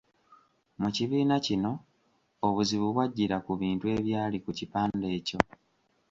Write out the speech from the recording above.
Mu kibiina kino obuzibu bw’ajjira ku bintu ebyali ku kipande ekyo.